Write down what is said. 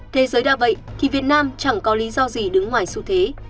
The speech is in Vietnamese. thế giới đa vậy thì việt nam chẳng có lý do gì đứng ngoài xu thế